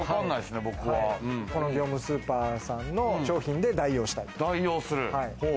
この業務スーパーさんの商品で代用したい。